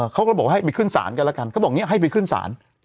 เขาก็บอกให้ไปขึ้นศาลกันแล้วกันเขาบอกเนี่ยให้ไปขึ้นศาล